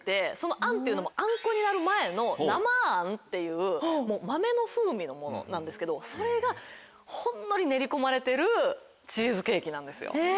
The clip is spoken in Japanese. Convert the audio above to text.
あんっていうのもあんこになる前の生あんっていう豆の風味のものなんですけどそれがほんのり練り込まれてるチーズケーキなんですよ。え！